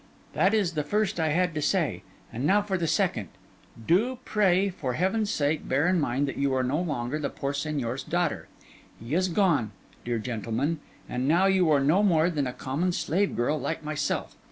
That is the first I had to say; and now for the second: do, pray, for Heaven's sake, bear in mind that you are no longer the poor Señor's daughter. He is gone, dear gentleman; and now you are no more than a common slave girl like myself.